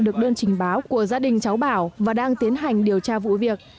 được đơn trình báo của gia đình cháu bảo và đang tiến hành điều tra vụ việc